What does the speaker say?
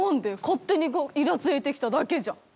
勝手にいらついてきただけじゃん。